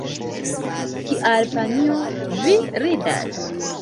Kial panjo, vi ridas?